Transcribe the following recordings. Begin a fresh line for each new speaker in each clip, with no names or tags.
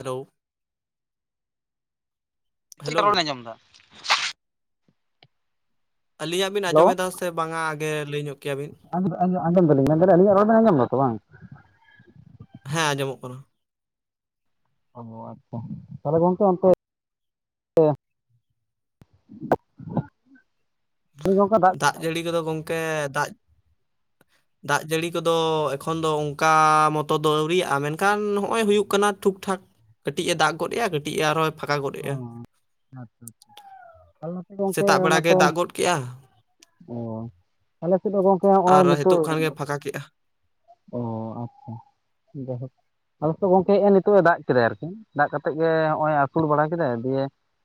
Hello
ᱪᱮᱫ ᱠᱟ
hello
ᱨᱚᱲ ᱵᱤᱱ ᱟᱸᱡᱚᱢᱫᱟ?
ᱟᱹᱞᱤᱧᱟᱜ ᱵᱤᱱ
ᱦᱮᱞᱳ
ᱟᱸᱡᱚᱢᱮᱫᱟ ᱥᱮ ᱵᱟᱝᱟ ᱟᱜᱮ ᱞᱟᱹᱭ ᱧᱚᱜ ᱠᱮᱭᱟ ᱵᱤᱱ?
ᱟᱸᱡᱚᱢ ᱟᱸᱡᱚᱢ ᱟᱸᱡᱚᱢ ᱫᱟᱞᱤᱧ, ᱢᱮᱱᱫᱟᱞᱤᱧ ᱟᱞᱤᱧᱟᱜ ᱨᱚᱲ ᱵᱮᱱ ᱟᱸᱡᱚᱢ ᱫᱟᱛᱚ ᱵᱟᱝ?
ᱦᱮᱸ ᱟᱸᱡᱚᱢᱚᱜ ᱠᱟᱱᱟ᱾
ᱚ ᱟᱪᱪᱷᱟ ᱛᱟᱦᱞᱮ ᱜᱚᱝᱠᱮ ᱚᱱᱛᱮ ᱦᱳᱭ ᱜᱚᱝᱠᱮ ᱫᱟᱜ
ᱡᱟᱹᱲᱤ ᱠᱚᱫᱚ ᱜᱚᱝᱠᱮ ᱫᱟᱜ ᱫᱟᱜ ᱡᱟᱹᱲᱤ ᱠᱚᱫᱚ ᱮᱠᱷᱚᱱ ᱫᱚ ᱚᱝᱠᱟ ᱢᱚᱛᱚ ᱫᱚ ᱟᱹᱣᱨᱤᱭᱟᱜ-ᱟ ᱢᱮᱱᱠᱷᱟᱱ ᱱᱚᱜ ᱚᱭ ᱦᱩᱭᱩᱜ ᱠᱟᱱᱟ ᱴᱷᱩᱠᱴᱷᱟᱠ ᱠᱟᱹᱴᱤᱡ ᱮ ᱫᱟᱜ ᱜᱚᱫ ᱮᱫ ᱟ ᱠᱟᱴᱤᱡ ᱮ ᱟᱨᱦᱚᱭ
ᱚ ᱟᱪᱪᱷᱟ ᱟᱪᱪᱷᱟ ᱛᱟᱦᱞᱮ ᱜᱚᱝᱠᱮ
ᱥᱮᱛᱟᱜ ᱵᱮᱲᱟ ᱜᱮ
ᱢᱟᱛᱚᱱ
ᱫᱟᱜ ᱜᱚᱫ ᱠᱮᱜᱼᱟ
ᱚ ᱟᱞᱮ ᱥᱮᱫ ᱜᱚᱝᱠᱮ ᱦᱚᱜ-ᱚᱭ
ᱟᱨ ᱱᱤᱛᱚᱜ
ᱱᱤᱛᱳᱜ
ᱠᱷᱟᱱ ᱜᱮ ᱯᱷᱟᱸᱠᱟ ᱠᱮᱜᱼᱟ
ᱚ ᱟᱪᱪᱷᱟ ᱡᱟᱦᱳᱠ ᱟᱞᱮ ᱥᱮᱫ ᱫᱚ ᱜᱚᱝᱠᱮ ᱦᱮᱜ ᱮ ᱱᱤᱛᱳᱜ ᱮ ᱫᱟᱜ ᱠᱮᱫᱟᱭ ᱟᱨᱠᱤ ᱫᱟᱜ ᱠᱟᱛᱮᱜ ᱜᱮ ᱦᱚᱜ-ᱚᱭ ᱥᱩᱲ ᱵᱟᱲᱟ ᱠᱮᱫᱟᱭ ᱫᱤᱭᱮ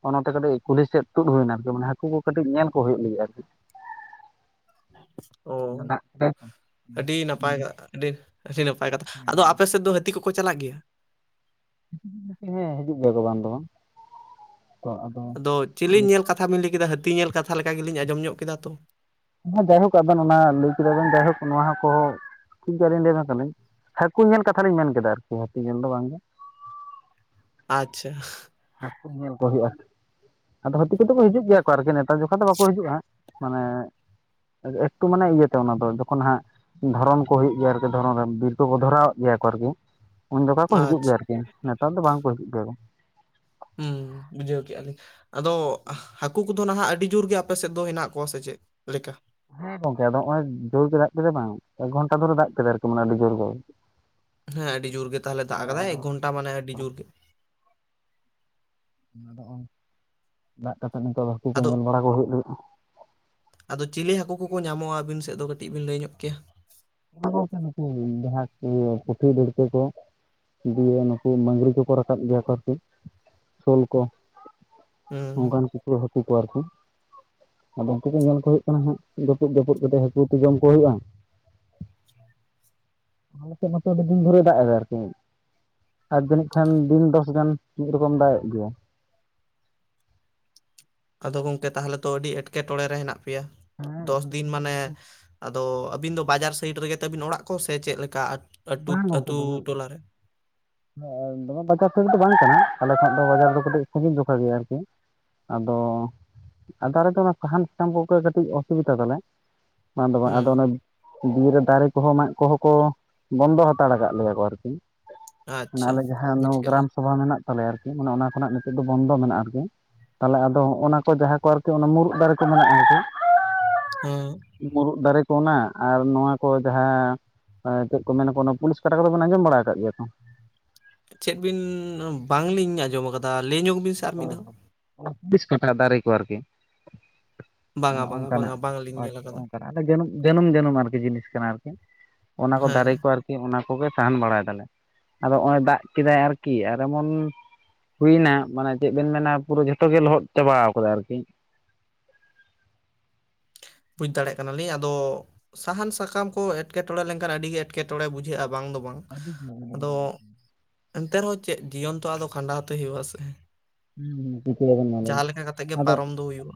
ᱚᱱᱟᱛᱮ ᱠᱟᱹᱴᱤᱡ ᱠᱩᱞᱦᱤ ᱥᱮᱫ ᱛᱩᱫ ᱦᱩᱭᱱᱟ ᱟᱨᱠᱤ ᱢᱟᱱᱮ ᱦᱟᱹᱠᱩ ᱠᱚ ᱠᱟᱹᱴᱤᱡ ᱧᱮᱞ ᱠᱚ ᱦᱩᱭᱩᱜ ᱞᱟᱹᱜᱤᱫ ᱟᱨᱠᱤ᱾
[inaudible] ᱚ
ᱫᱟᱜ ᱠᱮᱫᱟᱭ ᱛᱚ
ᱟᱹᱰᱤ ᱱᱟᱯᱟᱭ ᱟᱹᱰᱤ ᱟᱹᱰᱤ ᱱᱟᱯᱟᱭ ᱠᱟᱛᱷᱟ ᱟᱫᱚ ᱟᱯᱮ ᱥᱮᱫ ᱫᱚ ᱛᱤ ᱠᱚᱠᱚ ᱪᱟᱞᱟᱜ ᱜᱮᱭᱟ?
ᱠᱤᱪᱷᱩ ᱠᱤᱪᱷᱩ ᱱᱚᱛᱮ ᱦᱮᱸ ᱦᱤᱡᱩᱜ ᱜᱮᱭᱟ ᱠᱚ ᱵᱟᱝ ᱫᱚ ᱵᱟᱝ᱾
ᱟᱫᱚ ᱪᱤᱞᱤᱧ ᱧᱮᱞ ᱠᱟᱛᱷᱟ ᱵᱤᱱ ᱞᱟᱹᱭ ᱠᱮᱫᱟ ᱦᱟᱹᱛᱤ ᱧᱮᱞ ᱠᱟᱛᱷᱟ ᱞᱮᱠᱟ ᱜᱮᱞᱤᱧ ᱟᱸᱡᱚᱢ ᱧᱚᱜ ᱠᱮᱫᱟ ᱛᱚ?
ᱦᱮᱸ ᱡᱟᱭᱦᱳᱠ ᱟᱵᱮᱱ ᱚᱱᱟ ᱞᱟᱹᱭ ᱠᱮᱫᱟ ᱵᱮᱱ ᱡᱟᱭᱦᱳᱠ ᱱᱚᱣᱟᱦᱚᱸ ᱠᱚ ᱴᱷᱤᱠ ᱜᱮᱭᱟ ᱞᱤᱧ ᱞᱮᱭ ᱟᱵᱮᱱ ᱠᱟᱱᱟᱞᱤᱧ ᱦᱟᱹᱠᱩ ᱧᱮᱞ ᱠᱟᱛᱷᱟ ᱞᱤᱧ ᱢᱮᱱ ᱠᱮᱫᱟ ᱟᱨᱠᱤ ᱦᱟᱹᱛᱤ ᱧᱮᱞ ᱫᱚ ᱵᱟᱝ ᱜᱮ᱾
ᱟᱪᱪᱷᱟ
ᱦᱟᱠᱩ ᱧᱮᱞ ᱠᱚ ᱦᱳᱭᱳᱜ-ᱟ ᱟᱫᱚ ᱦᱟᱹᱛᱤ ᱠᱚᱫᱚ ᱠᱚ ᱦᱤᱡᱩᱜ ᱜᱮᱭᱟ ᱠᱚ ᱟᱨᱠᱤ ᱱᱮᱛᱟᱨ ᱡᱚᱠᱷᱟ ᱫᱚ ᱵᱟᱠᱚ ᱦᱤᱡᱩᱜ-ᱟ ᱦᱟᱸᱜ ᱢᱟᱱᱮ ᱮᱠᱴᱩ ᱢᱟᱱᱮ ᱤᱭᱟᱹᱛᱮ ᱚᱱᱟ ᱫᱚ ᱡᱚᱠᱷᱚᱱ ᱦᱟᱸᱜ ᱫᱷᱚᱨᱚᱱ ᱠᱚ ᱦᱩᱭᱩᱜ ᱜᱮᱭᱟ ᱟᱨᱠᱤ ᱫᱷᱚᱨᱚᱱ ᱨᱮ ᱵᱤᱨ ᱠᱚᱠᱚ ᱫᱷᱚᱨᱟᱣ ᱟᱜ ᱜᱮᱭᱟ ᱠᱚ ᱟᱨᱠᱤ᱾ ᱩᱱ ᱡᱚᱠᱷᱟ ᱠᱚ
ᱟᱪᱪᱷᱟ
ᱦᱤᱡᱩᱜ ᱜᱮᱭᱟ ᱟᱨᱠᱤ ᱱᱮᱛᱟᱨ ᱫᱚ ᱵᱟᱝᱠᱚ ᱦᱤᱡᱩᱜ ᱜᱮᱭᱟ ᱠᱚ᱾
ᱦᱩᱸ ᱵᱩᱡᱷᱟᱹᱣ ᱠᱮᱜ-ᱟ ᱞᱤᱧ ᱟᱫᱚ ᱦᱟᱹᱠᱩ ᱠᱚ ᱱᱟᱦᱟᱜ ᱟᱹᱰᱤ ᱡᱳᱨ ᱜᱮ ᱟᱯᱮ ᱥᱮᱫ ᱫᱚ ᱦᱮᱱᱟᱜ ᱠᱚᱣᱟ ᱥᱮ ᱪᱮᱫ ᱞᱮᱠᱟ?
ᱦᱮᱸ ᱜᱚᱝᱠᱮ ᱟᱫᱚ ᱦᱚᱜ-ᱚᱭ ᱡᱳᱨ ᱜᱮ ᱫᱟᱜ ᱠᱮᱫᱟ ᱵᱟᱝ ᱮᱠ ᱜᱷᱚᱱᱴᱟ ᱫᱷᱚᱨᱮ ᱫᱟᱜ ᱠᱮᱫᱟ ᱟᱨᱠᱤ ᱢᱟᱱᱮ ᱟᱹᱰᱤ ᱡᱳᱨ ᱜᱮ᱾
ᱦᱮᱸ ᱟᱹᱰᱤ ᱡᱳᱨ ᱜᱮ ᱛᱟᱦᱞᱮ ᱫᱟᱜ ᱟᱠᱟᱫᱟᱭ ᱮᱠ ᱜᱷᱚᱱᱴᱟ ᱢᱟᱱᱮ ᱟᱹᱰᱤ ᱡᱳᱨ ᱜᱮ᱾
ᱟᱫᱚᱜ-ᱚᱭ ᱫᱟᱜ ᱠᱟᱛᱮᱫ ᱱᱤᱛᱳᱜ ᱫᱚ ᱦᱟᱹᱠᱩ ᱠᱚ
ᱟᱫᱚ
ᱧᱮᱞ ᱵᱟᱲᱟ ᱠᱚ ᱦᱩᱭᱩᱜ ᱞᱟᱹᱜᱤᱫ᱾
ᱟᱫᱚ ᱪᱤᱞᱤ ᱦᱟᱹᱠᱩ ᱠᱚᱠᱚ ᱧᱟᱢᱚᱜ-ᱟ ᱟᱹᱵᱤᱱ ᱥᱮᱫ ᱫᱚ ᱠᱟᱹᱴᱤᱡ ᱵᱤᱱ ᱞᱟᱹᱭ ᱧᱚᱜ ᱠᱮᱭᱟ?
ᱡᱟᱦᱟᱸ ᱤᱭᱟ ᱯᱩᱴᱷᱤ ᱫᱟᱲᱠᱟᱹ ᱠᱚ ᱫᱤᱭᱮ ᱱᱩᱠᱩ ᱢᱟᱝᱨᱤ ᱠᱚᱠᱚ ᱨᱟᱠᱟᱵ ᱜᱮᱭᱟ ᱠᱚ ᱟᱨᱠᱤ ᱥᱳᱞ ᱠᱚ᱾
ᱦᱩᱸ
ᱚᱝᱠᱟᱱ ᱠᱩᱠᱩ ᱦᱟᱹᱠᱩ ᱠᱚ ᱟᱨ ᱠᱤ᱾ ᱟᱫᱚ ᱩᱝᱠᱩ ᱫᱚ ᱧᱮᱞ ᱠᱚ ᱦᱩᱭᱩᱜ ᱠᱟᱱᱟ ᱦᱟᱸᱜ ᱡᱟᱹᱯᱩᱫ ᱡᱟᱸᱯᱩᱫ ᱠᱟᱛᱮᱜ ᱦᱟᱹᱠᱩ ᱛᱮ ᱡᱚᱢ ᱠᱚ ᱦᱩᱭᱩᱜ-ᱟ᱾ ᱟᱞᱮ ᱥᱮᱫ ᱢᱟᱛᱚ ᱟᱹᱰᱤ ᱫᱤᱱ ᱫᱷᱚᱨᱮᱭ ᱫᱟᱜ ᱮᱫᱟ ᱟᱨᱠᱤ᱾ ᱟᱨ ᱡᱟᱹᱱᱤᱡ ᱠᱷᱟᱱ ᱫᱤᱱ ᱫᱚᱥ ᱜᱟᱱ ᱢᱤᱫ ᱨᱚᱠᱚᱢ ᱫᱟᱜ ᱮᱜ ᱜᱮᱭᱟᱭ᱾
ᱟᱫᱚ ᱜᱚᱝᱠᱮ ᱛᱟᱦᱚᱞᱮ ᱛᱚ ᱟᱹᱰᱤ ᱮᱸᱴᱠᱮᱴᱚᱲᱮ ᱨᱮ ᱦᱮᱱᱟᱜᱮ ᱯᱮᱭᱟ ᱫᱚᱥ ᱫᱤᱱ ᱢᱟᱱᱮ, ᱟᱫᱚ ᱟᱹᱵᱤᱱ ᱫᱚ ᱵᱟᱡᱟᱨ ᱥᱟᱭᱤᱰ ᱨᱮᱜᱮ ᱛᱟᱵᱤᱱ ᱚᱲᱟᱜ ᱠᱚ ᱥᱮ ᱪᱮᱫ ᱞᱮᱠᱟ ᱟᱛ ᱟᱴᱩᱛ
ᱵᱟᱝ ᱜᱚᱝᱠᱮ
ᱟᱹᱛᱩ
ᱫᱚᱢᱮ
ᱴᱚᱞᱟ ᱨᱮ?
ᱫᱚᱢᱮ ᱵᱟᱡᱟᱨ ᱥᱮᱫ ᱫᱚ ᱵᱟᱝ ᱠᱟᱱᱟ, ᱟᱞᱮ ᱠᱷᱚᱱᱟᱜ ᱫᱚ ᱵᱟᱡᱟᱨ ᱫᱚ ᱠᱟᱹᱴᱤᱡ ᱥᱟᱺᱜᱤᱧ ᱡᱚᱠᱷᱟ ᱜᱮᱭᱟ ᱟᱨᱠᱤ᱾ ᱟᱫᱚ ᱟᱫᱚ ᱟᱞᱮ ᱫᱚ ᱚᱱᱟ ᱥᱟᱦᱟᱱ ᱥᱟᱠᱟᱢ ᱠᱚᱜᱮ ᱠᱟᱹᱴᱤᱡ ᱚᱥᱩᱵᱤᱫᱷᱟ ᱛᱟᱞᱮ᱾ ᱵᱟᱝ ᱫᱚ ᱵᱟᱝ ᱟᱫᱚ ᱚᱱᱮ
ᱦᱩᱸ
ᱵᱤᱨ ᱨᱮ ᱫᱟᱨᱮ ᱠᱚᱦᱚᱸ ᱢᱟᱜ ᱠᱚᱦᱚᱸ ᱠᱚ ᱵᱚᱱᱫᱚ ᱦᱟᱛᱟᱲ ᱟᱠᱟᱫ ᱞᱮᱭᱟ ᱠᱚ ᱟᱨᱠᱤ᱾ ᱢᱟᱱᱮ
ᱟᱪᱪᱷᱟ
ᱟᱞᱮ ᱡᱟᱦᱟᱸ
ᱵᱩᱡᱽ ᱠᱮᱜᱼᱟ
ᱱᱳ-ᱜᱨᱟᱢ
ᱞᱤᱧ
ᱥᱚᱵᱷᱟ ᱢᱮᱱᱟᱜ ᱛᱟᱞᱮᱭᱟ ᱟᱨᱠᱤ ᱢᱟᱱᱮ ᱚᱱᱟ ᱠᱷᱚᱱᱟᱜ ᱱᱤᱛᱚᱜ ᱫᱚ ᱵᱚᱱᱫᱚ ᱢᱮᱱᱟᱜ-ᱟ ᱟᱨᱠᱤ᱾ ᱛᱟᱦᱚᱞᱮ ᱟᱫᱚ ᱦᱚᱜ-ᱱᱟ ᱠᱚ ᱡᱟᱦᱟᱸ ᱠᱚ ᱟᱨᱠᱤ ᱚᱱᱟ ᱢᱩᱨᱩᱫ ᱫᱟᱨᱮ ᱠᱚ ᱢᱮᱱᱟᱜ-ᱟ ᱟᱨᱠᱤ,
ᱦᱮᱸ᱾
ᱢᱩᱨᱩᱫ ᱫᱟᱨᱮ ᱠᱚ ᱚᱱᱟ ᱟᱨ ᱱᱚᱣᱟ ᱠᱚ ᱡᱟᱦᱟᱸ ᱪᱮᱫ ᱠᱚ ᱢᱮᱱᱟ ᱠᱚ ᱚᱱᱟ ᱯᱩᱞᱤᱥ ᱠᱟᱴᱟ ᱠᱚᱫᱚ ᱵᱮᱱ ᱟᱸᱡᱚᱢ ᱵᱟᱲᱟ ᱟᱠᱟᱫ ᱜᱮᱭᱟ ᱛᱚ?
ᱪᱮᱫ ᱵᱤᱱ ᱵᱟᱝᱞᱤᱧ ᱟᱸᱡᱚᱢ ᱟᱠᱟᱫᱟ ᱞᱟᱹᱭ ᱧᱚᱜ ᱵᱤᱱ? ᱟᱨ
ᱚ
ᱢᱤᱫ ᱫᱷᱟᱣ
ᱦᱚᱸ ᱯᱩᱞᱤᱥ ᱠᱟᱴᱟ ᱫᱟᱨᱮ ᱠᱚ ᱟᱨᱠᱤ᱾
ᱵᱟᱝᱟ
ᱢᱟᱱᱮ
ᱵᱟᱝᱟ
ᱚᱱᱠᱟ ᱱᱟᱜ
ᱵᱟᱝᱟ ᱵᱟᱝᱞᱤᱧ ᱧᱮᱞ
ᱟᱪᱪᱷᱟ
ᱟᱠᱟᱫᱟ
ᱚᱱᱠᱟ ᱱᱟᱜ᱾ ᱛᱟᱦᱞᱮ ᱡᱟᱹᱱᱩ ᱡᱟᱹᱱᱩᱢ ᱡᱟᱹᱱᱩᱢ ᱟᱨᱠᱤ ᱡᱤᱱᱤᱥ ᱠᱟᱱᱟ ᱟᱨᱠᱤ ᱚᱱᱟ ᱠᱚ ᱫᱟᱨᱮ
ᱦᱮᱸ
ᱠᱚ ᱟᱨ- ᱠᱤ ᱚᱱᱟ ᱠᱚᱜᱮ ᱥᱟᱦᱟᱱ ᱵᱟᱲᱟᱭ ᱫᱟᱞᱮ ᱟᱫᱚ ᱱᱚᱜ-ᱚᱭ ᱫᱟᱜ ᱠᱮᱫᱟᱭ ᱟᱨᱠᱤ ᱟᱨ ᱮᱢᱚᱱ, ᱦᱩᱭᱱᱟ ᱢᱟᱱᱮ ᱪᱮᱫ ᱵᱮᱱ ᱢᱮᱱᱟ ᱯᱩᱨᱟᱹ ᱡᱷᱚᱛᱚ ᱜᱮ ᱞᱚᱦᱚᱫ ᱪᱟᱵᱟᱣ ᱠᱟᱫᱟ ᱟᱨᱠᱤ᱾
ᱵᱩᱡᱽ ᱫᱟᱲᱮᱭᱟᱜ ᱠᱟᱱᱟᱞᱤᱧ ᱟᱫᱚ, ᱥᱟᱦᱟᱱ ᱥᱟᱠᱟᱢ ᱠᱚ ᱮᱴᱠᱮᱴᱚᱬᱮ ᱞᱮᱱᱠᱷᱟᱱ ᱟᱹᱰᱤ ᱜᱮ ᱮᱴᱠᱮᱴᱚᱬᱮ ᱵᱩᱡᱷᱟᱹᱜ-ᱟ ᱵᱟᱝ ᱫᱚ, ᱵᱟᱝ
ᱟᱹᱰᱤ
ᱟᱫᱚ
[unintelligible]
ᱮᱱᱛᱮ ᱨᱮᱦᱚᱸ ᱪᱮᱫ ᱡᱤᱭᱚᱱ ᱛᱚ ᱟᱫᱚ ᱠᱷᱟᱸᱰᱟᱣ ᱛᱮ ᱦᱩᱭᱩᱜ-ᱟ ᱥᱮ᱾
ᱪᱤᱠᱟᱹᱭᱟᱵᱮᱱ ᱢᱟ ᱞᱟᱹᱭ ᱵᱮᱱ?
ᱡᱟᱦᱟᱸ ᱞᱮᱠᱟ ᱠᱟᱛᱮ ᱜᱮ ᱯᱟᱨᱚᱢ ᱫᱚ ᱦᱩᱭᱩᱜ-ᱟ᱾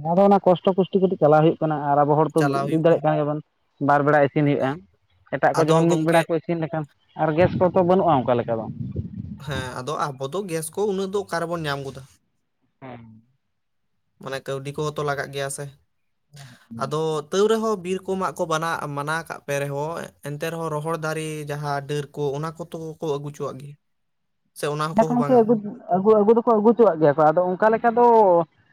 ᱚᱱᱟ ᱫᱚ ᱚᱱᱟ ᱠᱚᱥᱴᱚ ᱠᱚᱥᱴᱤ ᱠᱟᱛᱤᱡ ᱪᱟᱞᱟᱜ ᱦᱩᱭᱩᱜ᱾ ᱠᱟᱱᱟ ᱟᱨ ᱟᱵᱚ ᱦᱚᱲ ᱛᱚ
ᱪᱟᱞᱟᱣ
ᱵᱩᱡ
ᱦᱩᱭᱩᱜ
ᱫᱟᱲᱮᱭᱟᱜ
ᱠᱟᱱᱟ
ᱠᱟᱱ ᱜᱮᱭᱟᱵᱚᱱ ᱵᱟᱨ ᱵᱮᱲᱟ ᱤᱥᱤᱱ ᱦᱩᱭᱩᱜ-ᱟ‌, ᱮᱴᱟᱜ ᱠᱚ
ᱟᱫᱚ
ᱡᱮᱢᱚᱱ ᱢᱤᱫ
ᱜᱚᱢᱠᱮ
ᱵᱮᱲᱟ ᱠᱚ ᱤᱥ- ᱥᱤᱱ ᱞᱮᱠᱟᱱ ᱟᱨ ᱜᱮᱥ ᱠᱚᱛᱚ ᱵᱟᱹᱱᱩᱜ-ᱟ ᱚᱱᱠᱟ ᱞᱮᱠᱟ ᱫᱚ᱾
ᱦᱮᱸ ᱟᱫᱚ ᱟᱵᱚ ᱫᱚ ᱜᱮᱥ ᱠᱚ ᱩᱱᱟᱹᱜ ᱫᱚ ᱚᱠᱟ ᱨᱮᱵᱚᱱ ᱧᱟᱢ ᱜᱚᱫᱟ᱾
ᱦᱮᱸ
ᱢᱟᱱᱮ ᱠᱟᱹᱣᱰᱤ ᱠᱚᱦᱚᱸ ᱛᱚ ᱞᱟᱜᱟᱜ ᱜᱮᱭᱟ ᱥᱮ ᱟᱫᱚ ᱛᱟᱹᱣ ᱨᱮᱦᱚᱸ ᱵᱤᱨ ᱠᱚ ᱢᱟᱜ ᱠᱚ ᱵᱟᱱᱟ ᱢᱟᱱᱟ ᱠᱟᱜ ᱯᱮ ᱨᱮᱦᱚᱸ ᱮᱱᱛᱮ ᱨᱮᱦᱚᱸ ᱨᱚᱦᱚᱲ ᱫᱟᱨᱮ ᱡᱟᱦᱟᱸ ᱰᱟᱹᱨ ᱠᱚ ᱚᱱᱟ ᱠᱚᱛᱚ ᱟᱹᱜᱩ ᱦᱚᱪᱚᱣᱟᱜ ᱜᱮᱭᱟ᱾ [unintelligible] ᱚᱱᱟ ᱠᱚᱦᱚᱸ
ᱟᱹᱜᱩ
ᱵᱟᱝᱟ
ᱟᱹᱜᱩ ᱫᱚᱠᱚ ᱟᱹᱜᱩ ᱦᱚᱪᱚᱣᱟᱜ ᱜᱮᱭᱟ ᱠᱚ ᱟᱫᱚ ᱚᱱᱠᱟ ᱞᱮᱠᱟ ᱫᱚ,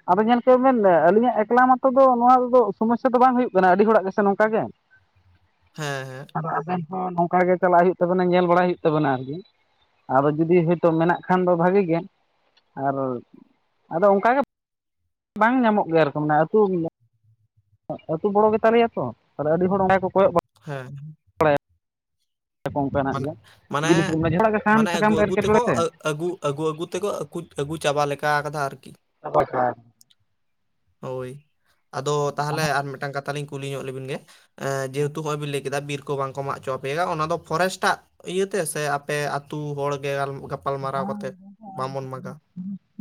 ᱟᱫᱚ ᱧᱮᱞ ᱦᱚᱪᱚᱭ ᱢᱮᱱ ᱟᱹᱞᱤᱧᱟᱜ ᱮᱠᱞᱟ ᱢᱟᱛᱚ ᱫᱚ ᱱᱚᱣᱟ ᱫᱚ ᱥᱚᱢᱚᱥᱥᱟ ᱫᱚ ᱵᱟᱝ ᱦᱩᱭᱩᱜ ᱠᱟᱱᱟ ᱟᱹᱰᱤ ᱦᱚᱲᱟᱜ ᱜᱮᱥᱮ ᱱᱚᱝᱠᱟ ᱜᱮ᱾
ᱦᱮᱸ ᱦᱮᱸ
ᱟᱵᱮᱱ ᱦᱚᱸ ᱱᱚᱝᱠᱟ ᱜᱮ ᱪᱟᱞᱟᱜ ᱦᱩᱭᱩᱜ ᱛᱟᱵᱮᱱᱟ ᱧᱮᱞ ᱵᱟᱲᱟ ᱦᱩᱭᱩᱜ ᱛᱟᱵᱮᱱᱟ ᱟᱨᱠᱤ ᱟᱫᱚ ᱡᱩᱫᱤ, ᱛᱚ ᱢᱮᱱᱟᱜ ᱠᱷᱟᱱ ᱫᱚ ᱵᱷᱟᱹᱜᱤ ᱜᱮ ᱟᱨ ᱟᱫᱚ ᱚᱱᱠᱟ ᱜᱮ, ᱵᱟᱝ ᱧᱟᱢᱚᱜ ᱜᱮᱭᱟ ᱟᱨᱠᱤ ᱢᱟᱱᱮ ᱟᱹᱛᱩ ᱟᱹᱛᱩ ᱵᱚᱲᱚ ᱜᱮᱛᱟᱞᱮᱭᱟ ᱛᱚ ᱟᱨ ᱟᱹᱰᱤ ᱦᱚᱲ ᱚᱸᱰᱮ ᱜᱮ ᱠᱚᱭᱚᱜ ᱵᱟᱲᱟᱜ
ᱦᱮᱸ
[inaudible] ᱵᱟᱲᱟᱭᱟᱠᱚ ᱚᱱᱠᱟᱱᱟᱜ
ᱢᱟᱱᱮ
ᱜᱮ
ᱢᱟᱱᱮ
ᱡᱤᱱᱤᱥ ᱠᱚ ᱢᱮᱱᱟᱜᱼᱟ ᱡᱷᱚᱛᱚ ᱜᱮ ᱥᱟᱦᱟᱱ
ᱢᱟᱱᱮ
ᱥᱟᱠᱟᱢ
ᱟᱹᱜᱩ
ᱠᱚ
ᱟᱹᱜᱩ ᱛᱮᱠᱚ
ᱮᱴᱠᱮᱴᱚᱬᱮ ᱛᱮ
ᱟᱹᱜᱩ- ᱟᱹᱜᱩ ᱟᱹᱜᱩ ᱛᱮᱠᱚ ᱟᱹᱜᱩ ᱪᱟᱵᱟ ᱞᱮᱠᱟ ᱟᱠᱟᱫᱟ ᱟᱨᱠᱤ᱾
ᱵᱟᱠᱷᱟᱱ
ᱦᱳᱭ ᱟᱫᱚ ᱛᱟᱦᱚᱞᱮ ᱟᱨ ᱢᱤᱫᱴᱟᱱ ᱠᱟᱛᱷᱟ ᱞᱤᱧ ᱠᱩᱞᱤ ᱧᱚᱜ ᱞᱮᱵᱤᱱ ᱜᱮ, ᱮᱸ ᱡᱮᱦᱮᱛᱩ ᱦᱚᱜ-ᱚᱭ ᱵᱤᱱ ᱞᱟᱹᱭ ᱠᱮᱫᱟ ᱵᱤᱨ ᱠᱚ ᱵᱟᱝ ᱠᱚ ᱢᱟᱜ ᱦᱚᱪᱚ ᱟᱯᱮᱭᱟ ᱚᱱᱟ ᱫᱚ ᱯᱷᱚᱨᱮᱥᱴᱟᱜ ᱤᱭᱟᱹᱛᱮ ᱥᱮ ᱟᱯᱮ ᱟᱹᱛᱩ ᱦᱚᱲᱜᱮ, ᱜᱟᱯᱟᱞ ᱢᱟᱨᱟᱣ ᱠᱟᱛᱮᱫ ᱵᱟᱵᱚᱱ ᱢᱟᱜᱟ᱾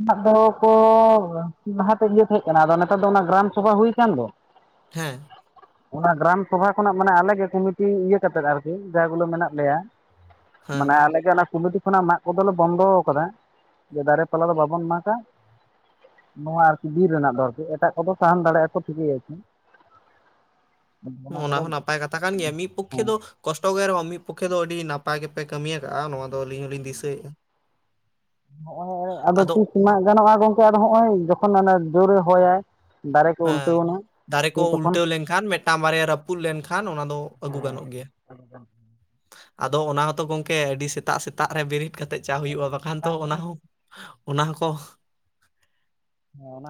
ᱢᱟᱜ ᱫᱚᱠᱚ ᱞᱟᱦᱟᱛᱮ ᱤᱭᱟᱹ ᱛᱟᱦᱮᱸ ᱠᱟᱱᱟ ᱟᱫᱚ ᱱᱮᱛᱟᱨ ᱫᱚ ᱚᱱᱟ ᱜᱨᱟᱢ ᱥᱚᱵᱷᱟ ᱦᱩᱭ ᱟᱠᱟᱱ ᱫᱚ,
ᱦᱮᱸ
ᱚᱱᱟ ᱜᱨᱟᱢ ᱥᱚᱵᱷᱟ ᱠᱷᱚᱱᱟᱜ ᱢᱟᱱᱮ ᱟᱞᱮᱜᱮ ᱠᱚᱢᱤᱴᱤ ᱤᱭᱟᱹ ᱠᱟ ᱠᱟᱛᱮᱫ ᱟᱨᱠᱤ ᱡᱟ ᱵᱚᱩᱞᱮ ᱢᱮᱱᱟᱜ ᱞᱮᱭᱟ ᱢᱟᱱᱮ
ᱦᱮᱸ
ᱟᱞᱮ ᱜᱮ ᱚᱱᱟ ᱠᱩᱢᱤᱴᱤ ᱠᱷᱚᱱᱟᱜ ᱢᱟᱜ ᱫᱚ ᱫᱚᱞᱮ ᱵᱚᱱᱫᱚ ᱟᱠᱟᱫᱟ ᱡᱮ ᱫᱟᱨᱮ ᱯᱟᱞᱟ ᱫᱚ ᱵᱟᱵᱚᱱ ᱢᱟᱜᱟ ᱱᱚᱣᱟ ᱟᱨᱠᱤ ᱵᱤᱨ ᱨᱮᱱᱟᱜ ᱫᱚ ᱟᱨᱠᱤ ᱮᱴᱟᱜ ᱠᱚᱫᱚ ᱥᱟᱦᱟᱱ ᱫᱟᱲᱮᱭᱟᱜᱼᱟ ᱠᱚ ᱴᱷᱤᱠᱟᱹᱭ ᱟᱪᱷᱮ᱾
[inaudible] ᱚᱱᱟ ᱦᱚᱸ ᱱᱟᱯᱟᱭ ᱠᱟᱛᱷᱟ ᱠᱟᱱ ᱜᱮᱭᱟ ᱢᱤᱫ ᱯᱚᱠᱷᱮ
ᱦᱮᱸ
ᱫᱚ ᱠᱚᱥᱴᱚᱜ ᱜᱮ ᱨᱮᱦᱚᱸ ᱢᱤᱫ ᱯᱚᱠᱠᱷᱮ ᱫᱚ ᱟᱹᱰᱤ ᱱᱟᱯᱟᱭ ᱜᱮ ᱯᱮ ᱠᱟᱹᱢᱢᱤ ᱠᱟᱜᱼᱟ ᱱᱚᱣᱟ ᱫᱚ ᱟᱹᱞᱤᱧ ᱦᱚᱞᱤᱧ ᱫᱤᱥᱟᱹᱭᱮᱫᱼᱟ᱾
ᱱᱚᱸᱜᱼ ᱟᱫᱚ ᱛᱤᱥ ᱢᱟᱜ ᱜᱟᱱᱚᱜᱼᱟ ᱜᱚᱢᱠᱮ ᱟᱫᱚ ᱦᱚᱸᱜᱼᱚᱭ ᱡᱚᱠᱷᱚᱱ ᱚᱱᱟ ᱡᱳᱨᱮ ᱮ ᱦᱚᱭᱟᱭ ᱫᱟᱨᱮ ᱠᱚ
ᱦᱮᱸ
ᱩᱞᱴᱟᱹᱣᱱᱟ
ᱫᱟᱨᱮ ᱠᱚ
ᱥᱮ ᱛᱚᱠᱷᱚᱱ
ᱩᱞᱴᱟᱹᱣ ᱞᱮᱱᱠᱷᱟᱱ ᱢᱤᱫᱴᱟᱝ ᱵᱟᱨᱭᱟ ᱨᱟᱹᱯᱩᱫ ᱞᱮᱱᱠᱷᱟᱱ ᱚᱱᱟ ᱫᱚ ᱟᱹᱜᱩ ᱜᱟᱱᱚᱜ ᱜᱮᱭᱟ᱾
[inaudible]
ᱟᱫᱚ ᱚᱱᱟ ᱦᱚᱸᱛᱚ ᱜᱚᱝᱠᱮ ᱟᱹᱰᱤ ᱥᱮᱛᱟᱜ ᱥᱮᱛᱟᱜ ᱨᱮ ᱵᱮᱨᱮᱫ ᱠᱟᱛᱮᱫ, ᱪᱟᱜ ᱦᱩᱭᱩᱜᱼᱟ ᱵᱟᱠᱷᱟᱱ ᱛᱚ
ᱥᱮᱛᱟᱜ
ᱚᱱᱟ
ᱢᱟᱱᱮ
ᱦᱚᱸ ᱚᱱᱟ ᱦᱚᱸᱠᱚ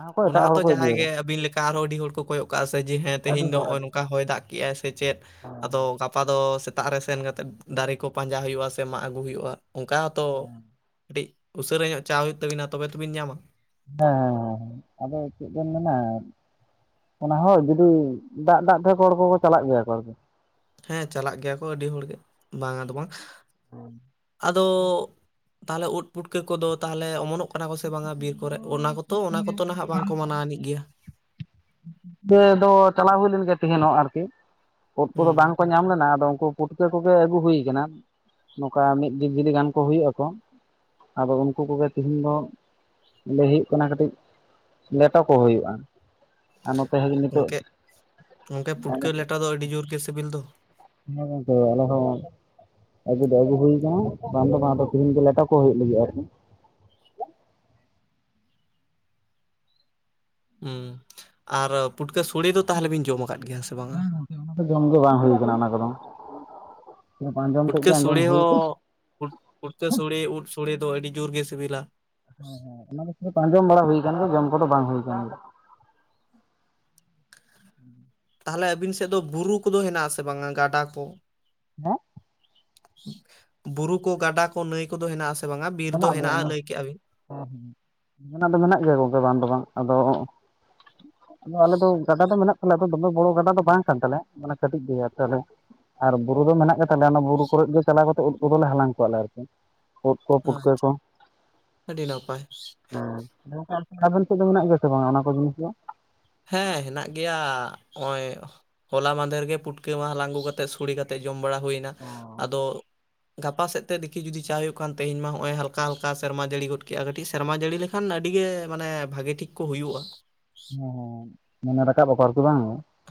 ᱦᱚᱸᱠᱚ
ᱚᱱᱟ
ᱮᱴᱟᱜ ᱦᱚᱲ
ᱦᱚᱸᱛᱚ
ᱠᱚ ᱤᱫᱤᱭᱟᱠᱚ
ᱡᱟᱦᱟᱸᱭ ᱜᱮ ᱟᱹᱵᱤᱱ ᱞᱮᱠᱟ ᱟᱨᱦᱚᱸ ᱟᱹᱰᱤ ᱦᱚᱲ ᱠᱚ ᱠᱚᱭᱚᱜ ᱠᱟᱜ ᱥᱮ ᱡᱮ ᱦᱮᱸ
ᱟᱹᱰᱤ
ᱛᱮᱦᱮᱧ ᱫᱚ
ᱦᱚᱲ
ᱱᱚᱸᱜᱼᱚᱭ
ᱦᱮᱸ
ᱱᱚᱝᱠᱟ ᱦᱚᱭ ᱫᱟᱜ ᱠᱮᱫᱮᱜᱟᱭ ᱥᱮ ᱪᱮᱫ ᱟᱫᱚ ᱜᱟᱯᱟ ᱫᱚ ᱥᱮᱛᱟᱜ ᱨᱮ ᱥᱮᱱ ᱠᱟᱛᱮᱫ ᱫᱟᱨᱮ ᱠᱚ ᱯᱟᱸᱡᱟ ᱦᱩᱭᱩᱜᱼᱟ ᱥᱮ ᱢᱟᱜ ᱟᱹᱜᱩ ᱦᱩᱭᱩᱜᱼᱟ ᱚᱱᱠᱟᱛᱚ ᱠᱟᱹᱴᱤᱡ ᱩᱥᱟᱹᱨᱟ ᱧᱚᱜ ᱪᱟᱜ ᱦᱩᱭᱩᱜ ᱛᱟᱹᱵᱤᱱᱟ ᱛᱚᱵᱮ ᱛᱚᱵᱤᱱ ᱧᱟᱢᱟ?
ᱦᱮᱸ ᱦᱮᱸ ᱦᱮᱸ ᱟᱫᱚ ᱪᱮᱫ ᱵᱮᱱ ᱢᱮᱱᱟ, ᱚᱱᱟ ᱦᱚ ᱡᱩᱫᱤ ᱫᱟᱜ ᱫᱟᱜ ᱛᱮ ᱠᱚ ᱠᱚᱠᱚ ᱪᱟᱞᱟᱜ ᱜᱮᱭᱟ ᱟᱨᱠᱤ᱾
ᱦᱮᱸ ᱪᱟᱞᱟᱜ ᱜᱮᱭᱟ ᱠᱚ ᱟᱹᱰᱤ ᱦᱚᱲᱜᱮ ᱵᱟᱝ ᱫᱚ ᱵᱟᱝ,
[inaudible]
ᱟᱫᱚ ᱛᱟᱦᱚᱞᱮ ᱳᱫᱽ ᱯᱩᱴᱠᱟᱹ ᱠᱚᱫᱚ ᱛᱟᱦᱚᱞᱮ ᱚᱢᱚᱱᱚᱜ ᱠᱟᱱᱟ ᱠᱚᱥᱮ ᱵᱟᱝᱟ ᱵᱤᱨ ᱠᱚᱨᱮ ᱚᱱᱟ ᱠᱚᱛ ᱚᱱᱟ ᱠᱚᱛ ᱱᱟᱦᱟᱜ ᱵᱟᱝᱠᱚ ᱢᱟᱱᱟᱣ ᱟᱹᱱᱤᱡ ᱜᱮᱭᱟ?
ᱤᱭᱟᱹ ᱫᱚ ᱪᱟᱞᱟᱣ ᱦᱩᱭ ᱞᱮᱱ ᱜᱮᱭᱟ ᱛᱮᱦᱮᱸᱱ ᱦᱚ ᱟᱨᱠᱤ᱾ ᱩᱫᱽ ᱠᱚᱫᱚ
ᱦᱩᱸ
ᱵᱟᱝᱠᱚ ᱧᱟᱢ ᱞᱮᱱᱟ ᱟᱫᱚ ᱩᱱᱠᱩ ᱯᱩᱴᱠᱟᱹ ᱠᱚᱜᱮ ᱟᱹᱜᱩ ᱦᱩᱭ ᱠᱟᱱᱟ ᱱᱚᱝᱠᱟ ᱢᱤᱫ ᱡᱤᱞᱤ ᱜᱟᱱ ᱠᱚ ᱦᱩᱭᱩᱜᱼᱟ ᱠᱚ᱾ ᱟᱫᱚ ᱩᱱᱠᱩ ᱠᱚᱜᱮ ᱛᱤᱦᱤᱧ ᱫᱚ ᱞᱟᱹᱭ ᱦᱩᱭᱩᱜ ᱠᱟᱱᱟ ᱠᱟᱹᱴᱤᱡ ᱞᱮᱴᱚ ᱠᱚ ᱦᱩᱭᱩᱜᱼᱟ᱾ ᱟᱨ ᱱᱚᱛᱮ ᱦᱮᱸ ᱱᱤᱛᱳᱜ
ᱟᱫᱚ ᱟᱹᱰᱤ ᱡᱳᱨ ᱜᱮ ᱥᱤᱵᱤᱞ ᱫᱚ᱾
ᱦᱮᱸ ᱝᱚᱝᱠᱮ ᱟᱞᱮ ᱦᱚ ᱟᱹᱜᱩ ᱫᱚ ᱟᱹᱜᱩ ᱦᱩᱭᱠᱟᱱᱟ ᱵᱟᱝ ᱫᱚ ᱵᱟᱝ ᱫᱚ ᱛᱤᱦᱤᱧ ᱜᱮ ᱞᱮᱴᱛ ᱠᱚ ᱦᱩᱭᱩᱜ ᱞᱟᱹᱜᱤᱫ ᱟᱨᱠᱤ,
ᱦᱩᱸ ᱟᱨ ᱯᱩᱴᱠᱟᱹ ᱥᱚᱲᱮ ᱫᱚ ᱛᱟᱦᱚᱞᱮ ᱵᱮᱱ ᱡᱚᱢ ᱠᱟᱫ ᱜᱮᱭᱟᱸ ᱥᱮ ᱵᱟᱝᱟ?
ᱚᱱᱟ ᱠᱚ ᱡᱚᱢ ᱵᱟᱝ ᱦᱩᱭᱩ ᱠᱟᱱᱟ ᱚᱱᱟ ᱠᱚᱫᱚ ᱟᱸᱡᱚᱢ ᱛᱮᱫ
ᱯᱩᱴᱠᱟᱹ
ᱜᱮ ᱟᱸᱡᱚᱢ
ᱥᱚᱲᱮ
ᱦᱩᱭ
ᱦᱚᱸ ᱯᱩᱴ ᱯᱩᱴᱠᱟᱹ ᱥᱚᱲᱮ ᱩᱫ ᱥᱚᱲᱮ ᱫᱚ ᱟᱹᱰᱤ ᱡᱳᱨ ᱜᱮ ᱥᱤᱵᱤᱞᱟ?
ᱦᱮᱸ ᱦᱮᱸ ᱚᱱᱟ ᱠᱚ ᱟᱡᱚᱢ ᱵᱟᱲᱟ ᱦᱩᱭᱠᱟᱱ ᱜᱮᱭᱟ ᱡᱚᱢ ᱠᱚᱫᱚ ᱵᱟᱝ ᱦᱩᱭ ᱟᱠᱱᱟ᱾
ᱛᱟᱦᱚᱞᱮ ᱟᱹᱵᱤᱱ ᱥᱮᱫ ᱫᱚ ᱵᱩᱨᱩ ᱠᱚᱫᱚ ᱦᱮᱱᱟᱜ ᱟᱥᱮ ᱵᱟᱝᱟ ᱜᱟᱰᱟ ᱠᱚ?
ᱦᱮᱸ?
ᱵᱩᱨᱩ ᱠᱚ ᱜᱟᱰᱟ ᱠᱚ ᱱᱟᱹᱭ ᱠᱚᱫᱚ ᱦᱮᱸᱱᱟᱜᱼᱟ ᱥᱮ ᱵᱟᱝᱟ ᱵᱤᱨ ᱫᱚ
ᱢᱮᱱᱟᱜ ᱜᱮᱭᱟ
ᱦᱮᱸᱱᱟᱜᱼᱟ ᱞᱟᱹᱭ ᱠᱮᱜᱼᱟ ᱵᱤᱱ?
ᱢᱮᱱᱟᱜ ᱫᱚ ᱢᱮᱱᱟᱜ ᱜᱮᱭᱟ ᱜᱚᱢᱠᱮ ᱵᱟᱝ ᱫᱚ ᱵᱟᱝ ᱟᱫᱚ ᱟᱞᱮ ᱫᱚ ᱜᱟᱰᱟ ᱫᱚ ᱢᱮᱱᱟᱜ ᱛᱟᱞᱮᱭᱟ ᱟᱫᱚ ᱫᱚᱢᱮ ᱵᱚᱲᱚ ᱜᱟᱰᱟ ᱫᱚ ᱵᱟᱝ ᱠᱟᱱ ᱛᱟᱞᱮᱭᱟ ᱢᱟᱱᱮ ᱠᱟᱹᱴᱤᱡ ᱜᱮ ᱛᱟᱦᱚᱞᱮ ᱟᱨ ᱵᱩᱨᱩ ᱫᱚ ᱢᱮᱱᱟᱜ ᱜᱮᱛᱟᱞᱮᱭᱟ ᱚᱱᱟ ᱵᱩᱨᱩ ᱠᱚᱨᱮᱜ ᱜᱮ ᱪᱟᱞᱟᱣ ᱠᱟᱛᱮ ᱩᱫᱽ ᱠᱚᱫᱚᱞᱮ ᱦᱟᱞᱟᱝ ᱠᱚᱣᱟ ᱞᱮ ᱟᱨᱠᱤ ᱩᱫᱽ ᱠᱚ ᱯᱩᱴᱠᱟᱹ
ᱟᱪᱪᱷᱟ
ᱠᱚ
ᱟᱹᱰᱤ ᱱᱟᱯᱟᱭ᱾
ᱦᱮᱸ ᱟᱵᱮᱱ ᱥᱮᱫ ᱫᱚ ᱢᱮᱱᱟᱜ ᱜᱮᱭᱟ ᱥᱮ ᱵᱟᱝᱟ ᱚᱱᱟ ᱠᱚ ᱡᱤᱱᱤᱥ ᱫᱚ?
ᱦᱮᱸ ᱦᱮᱸᱱᱟᱜ ᱜᱮᱭᱟ ᱱᱚᱸᱜᱼᱚᱭ ᱦᱚᱞᱟ ᱢᱫᱮᱨᱜᱮ ᱯᱩᱴᱠᱟᱹ ᱢᱟ ᱦᱟᱞᱟᱝ ᱟᱹᱜᱩ ᱠᱟᱛᱮᱜ ᱥᱩᱲᱤ ᱠᱟ ᱛᱮᱜ ᱡᱚᱢ ᱵᱟᱲᱟ ᱦᱩᱭᱱᱟ, ᱟᱫᱚ ᱜᱟᱯᱟ ᱥᱮᱫ ᱛᱮ ᱫᱮᱠᱷᱤ ᱡᱩᱫᱤ ᱪᱟ ᱦᱩᱭᱩᱜ ᱠᱷᱟᱱ ᱛᱮᱦᱮᱧ ᱢᱟ ᱦᱚᱜᱼᱚᱭ ᱦᱟᱞᱠᱟ ᱦᱟᱞᱠᱟ ᱥᱮᱨᱢᱟ ᱡᱟᱹᱲᱤ ᱜᱚᱫ ᱠᱮᱜᱼᱟ ᱠᱟᱹᱴᱤᱡ ᱥᱮᱨᱢᱟ ᱡᱟᱹᱲᱤ ᱞᱮ ᱠᱷᱟᱱ ᱟᱹᱰᱤ ᱜᱮ ᱢᱟᱱᱮ ᱵᱷᱟᱜᱮ ᱴᱷᱤᱠ ᱠᱚ ᱦᱩᱭᱩᱜᱼᱟ ᱾
ᱦᱮᱸ ᱢᱟᱱᱮ ᱨᱟᱠᱟᱵ ᱟᱠᱚ ᱟᱨᱠᱤ ᱵᱟᱝ?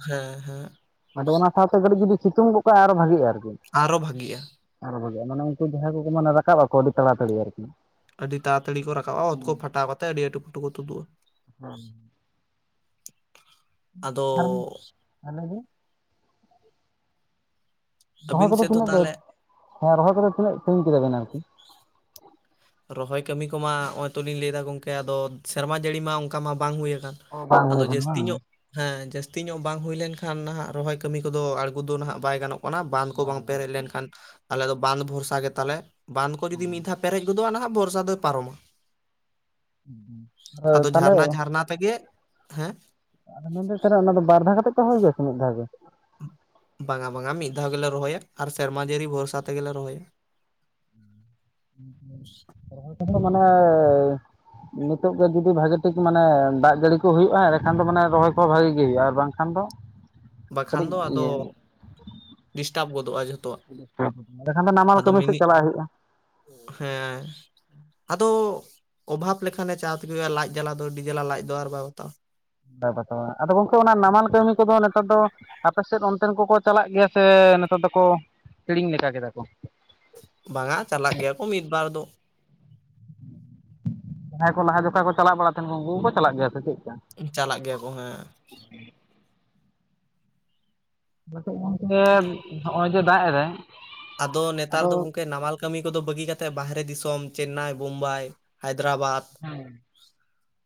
ᱦᱮᱸ ᱦᱮᱸ ᱾
ᱟᱫᱚ ᱚᱱᱟ ᱥᱟᱶᱛᱮ ᱠᱟᱹᱤᱡ ᱡᱩᱫᱤ ᱥᱤᱛᱩᱝ ᱜᱚᱜ ᱠᱟᱜᱼᱟᱭ ᱟᱨᱚ ᱵᱷᱟᱹᱜᱤᱜᱼᱟ ᱟᱨᱠᱤ ᱾
ᱟᱨᱚ ᱵᱷᱟᱜᱤᱜᱼᱟ ᱾
ᱟᱨᱚ ᱵᱷᱟᱹᱜᱤᱜᱼᱟ ᱢᱟᱱᱮ ᱩᱱᱠᱩ ᱡᱟᱦᱟᱸᱭ ᱠᱚᱠᱚ ᱢᱟᱱᱮ ᱨᱟᱠᱟᱵ ᱟᱠᱚ ᱟᱹᱰᱤ ᱛᱟᱲᱟᱛᱟᱹᱲᱤ ᱟᱨᱠᱤ ᱾
ᱟᱹᱰᱤ ᱛᱟᱲᱟ ᱛᱟᱹᱲᱤ ᱠᱚ ᱨᱟᱠᱟᱵᱼᱟ ᱚᱛ ᱠᱚ ᱯᱷᱟᱴᱟᱣ ᱠᱟᱛᱮᱫ ᱟᱹᱰᱤ ᱟᱴᱩ ᱯᱷᱟᱹᱴᱩ ᱠᱚ ᱛᱩᱫᱩᱜᱼᱟ ᱾
ᱦᱮᱸ ᱾
ᱟᱫᱚᱻ
ᱦᱮᱸ ᱞᱟᱹᱭ ᱵᱤᱱ ᱾ ᱨᱚᱦᱚᱭ
ᱟᱹᱵᱤᱱ
ᱠᱚᱫᱚ
ᱥᱮᱫ ᱫᱚ
ᱛᱤᱱᱟᱹᱜ
ᱛᱟᱦᱚᱞᱮ
[unintelligible] ᱦᱮᱸ ᱨᱚᱦᱚᱭ ᱠᱚᱫᱚ ᱛᱤᱱᱟᱹᱜ ᱥᱟᱹᱜᱤᱧ ᱠᱮᱫᱟ ᱵᱮᱱ ᱟᱨᱠᱤ?
ᱨᱚᱦᱚᱭ ᱠᱟᱹᱢᱤ ᱠᱚᱢᱟ ᱦᱚᱜᱼᱚᱭ ᱛᱚᱞᱤᱧ ᱞᱟᱹᱭᱮᱫᱟ ᱜᱚᱝᱠᱮ ᱟᱫᱚ ᱥᱮᱨᱢᱟ ᱡᱟᱹᱲᱤ ᱢᱟ ᱚᱝᱠᱟ ᱢᱟ ᱵᱟᱝ ᱦᱩᱭ ᱟᱠᱟᱱ
ᱵᱟᱝ
᱾
ᱦᱩᱭ
ᱟᱫᱚ
ᱠᱟᱱᱟ
ᱡᱟᱹᱥᱛᱤ
ᱵᱟᱝ
ᱧᱚᱜ ᱦᱮᱸ ᱡᱟᱹᱥᱛᱤ ᱧᱚᱜ ᱵᱟᱝ ᱦᱩᱭ ᱞᱮᱱᱠᱷᱟᱱ ᱱᱟᱦᱟᱜ ᱨᱚᱦᱚᱭ ᱠᱟᱹᱢᱤ ᱠᱚᱫᱚ ᱟᱬᱜᱩ ᱫᱚ ᱱᱟᱦᱟᱜ ᱵᱟᱭ ᱜᱟᱱᱚᱜ ᱚᱱᱟ ᱵᱟᱸᱫ ᱠᱚ ᱵᱟᱝ ᱯᱮᱨᱮᱡ ᱞᱮᱱᱠᱷᱟᱱ ᱟᱞᱮ ᱫᱚ ᱵᱟᱸᱫ ᱵᱷᱚᱨᱥᱟ ᱜᱮᱛᱟᱞᱮ ᱾ ᱵᱟᱸᱫ ᱠᱚ ᱡᱩᱫᱤ ᱢᱤᱫ ᱫᱷᱟᱣ [inaudible] ᱱᱟᱦᱟᱜ ᱵᱚᱨᱥᱟ ᱫᱚᱭ ᱯᱟᱨᱚᱢᱟ ᱾ ᱟᱫᱚ
ᱛᱟᱦᱚᱞᱮ
ᱡᱷᱟᱨᱱᱟ ᱡᱷᱟᱨᱱᱟ ᱛᱮᱜᱮ, ᱦᱮᱸ!
ᱟᱫᱚ ᱢᱮᱱᱫᱤᱧ ᱛᱟᱦᱚᱞᱮ ᱚᱱᱟ ᱫᱚ ᱵᱟᱨ ᱫᱷᱟᱣ ᱠᱟᱛᱮ ᱠᱚ ᱨᱚᱦᱚᱭ ᱜᱮᱭᱟ ᱥᱮ ᱢᱤᱫ ᱫᱷᱟᱣ ᱜᱮ?
ᱵᱟᱝᱟ ᱵᱟᱝᱟ ᱢᱤᱫ ᱫᱷᱟᱣ ᱜᱮᱞᱮ ᱨᱚᱦᱚᱭᱟ ᱟᱨ ᱥᱮᱨᱢᱟ ᱡᱟᱹᱲᱤ ᱵᱷᱚᱨᱥᱟ ᱛᱮᱜᱮᱞᱮ ᱨᱚᱦᱚᱭᱟ ᱾
ᱨᱚᱦᱚᱭ ᱠᱚᱫᱚ ᱢᱟᱱᱮᱻ ᱱᱤᱛᱚᱜ ᱜᱮ ᱡᱩᱫᱤ ᱵᱷᱟᱜᱮ ᱴᱷᱤᱠ ᱢᱟᱱᱮ ᱫᱟᱜ ᱡᱟᱹᱲᱤ ᱠᱩ ᱦᱩᱭᱩᱜᱼᱟ ᱮᱸᱲᱮᱠᱷᱟᱱ ᱫᱚ ᱢᱟᱱᱮ ᱨᱚᱦᱚᱭ ᱠᱚᱦᱚᱸ ᱵᱷᱟᱜᱤ ᱜᱮ ᱦᱩᱭᱩᱜᱼᱟ ᱟᱨ ᱵᱟᱝ ᱠᱷᱟᱱ ᱫᱚ
ᱵᱟᱠᱷᱟᱱ
ᱠᱟᱹᱴᱤᱡ
ᱫᱚ ᱟᱫᱚ
ᱤᱭᱟᱹ
ᱰᱤᱥᱴᱟᱵᱽ ᱜᱚᱫᱚᱜᱼᱟ ᱡᱷᱚ
ᱰᱤᱥᱴᱟᱵ ᱜᱚᱫᱚᱜᱼᱟ, ᱮᱲᱮᱠᱷᱟᱱ ᱫᱚ ᱱᱟᱢᱟᱞ ᱠᱟᱹᱢᱤ ᱥᱮᱫ ᱪᱟᱞᱟᱜ ᱦᱩᱭᱩᱜᱼᱟ ᱾
ᱦᱮᱸ ᱾ ᱟᱫᱚ ᱚᱵᱷᱟᱵ ᱞᱮᱠᱷᱟᱱᱮ ᱪᱟ ᱛᱮᱜᱮ ᱦᱩᱭᱩᱜᱼᱟ, ᱞᱟᱡ ᱡᱟᱞᱟ ᱫᱚ ᱟᱹᱰᱤ ᱡᱟᱞᱟ ᱞᱟᱡ ᱫᱚ ᱟᱨ ᱵᱟᱭ ᱵᱟᱛᱟᱣᱟ ᱾
ᱵᱟᱭ ᱵᱟᱛᱟᱣᱟ, ᱟᱫᱚ ᱜᱚᱝᱠᱮ ᱚᱱᱟ ᱱᱟᱢᱟᱞ ᱠᱟᱹᱢᱤ ᱠᱚᱫᱚ ᱱᱮᱛᱟᱨ ᱫᱚ ᱟᱯᱮ ᱥᱮᱫ ᱚᱱᱛᱮᱱ ᱠᱚᱠᱚ ᱪᱟᱞᱟᱜ ᱜᱮᱭᱟ ᱥᱮ ᱱᱮᱛᱟᱨ ᱫᱚᱠᱚ ᱦᱤᱲᱤᱧ ᱞᱮᱠᱟ ᱠᱮᱫᱟ ᱠᱚ?
ᱵᱟᱝᱟ ᱪᱟᱞᱟᱜ ᱜᱮᱭᱟ ᱠᱚ ᱢᱤᱫ ᱵᱟᱨ ᱫᱚ ᱾
ᱡᱟᱦᱟᱸᱭ ᱠᱚ ᱞᱟᱦᱟ ᱡᱚᱠᱷᱚᱡ ᱠᱚ ᱪᱟᱞᱟᱜ ᱵᱟᱲᱟ ᱛᱟᱦᱮᱱ ᱩᱱᱠᱩ ᱠᱚᱠᱚ ᱪᱟᱞᱟᱜ ᱜᱮᱭᱟ ᱥᱮ ᱪᱮᱫ ᱠᱟ?
ᱪᱟᱞᱟᱜ ᱜᱮᱭᱟ ᱠᱚ ᱦᱮᱸ ᱾
ᱟᱞᱮ ᱥᱮᱜ ᱢᱟ ᱜᱚᱝᱠᱮ ᱦᱚᱜᱼᱚᱭ ᱡᱮ ᱫᱟᱜ ᱮᱫᱟᱭ
ᱟᱫᱚ ᱱᱮᱛᱟᱨ ᱫᱚ ᱜᱚᱝᱠᱮ ᱱᱟᱢᱟᱞ ᱠᱟᱹᱢᱤ ᱠᱚᱫᱚ ᱵᱟᱹᱜᱤ ᱠᱟ ᱠᱟᱛᱮᱫ ᱵᱟᱦᱨᱮ ᱫᱤᱥᱚᱢ ᱪᱮᱱᱱᱟᱭ, ᱵᱳᱢᱵᱟᱭ, ᱦᱟᱭᱫᱨᱟᱵᱟᱫ,